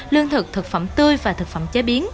lương thực thực phẩm tươi và thực phẩm chế biến